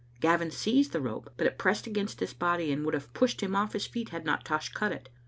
Gavin seized the rope, but it pressed against his' body, and would have pushed him off his feet had not Tosh cut it.